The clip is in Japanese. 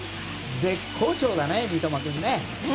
絶好調だね、三笘君ね。